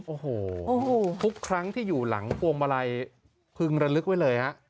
โอ้โหทุกครั้งที่อยู่หลังพวงมาลัยพึงระลึกไว้เลยฮะ